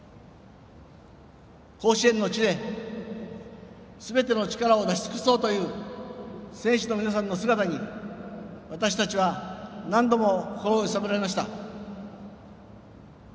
甲子園の地ですべての力を出し尽くそうという選手の皆さんの姿に私たちは何度も心を揺さぶられました。